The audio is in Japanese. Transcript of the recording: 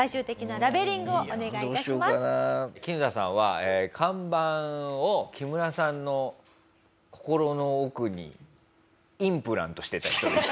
キヌタさんは看板を木村さんの心の奥にインプラントしてた人です。